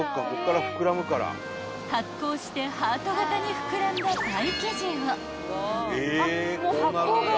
［発酵してハート型に膨らんだパイ生地を］